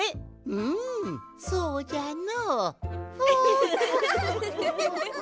うんそうじゃの。